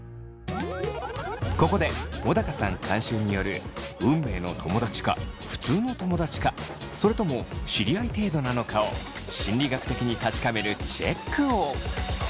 ここで小高さん監修による運命の友だちか普通の友だちかそれとも知り合い程度なのかを心理学的に確かめるチェックを。